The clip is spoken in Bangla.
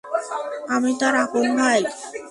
আমি তার আপন ভাই।